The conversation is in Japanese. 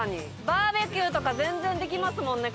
バーベキューとか全然できますもんね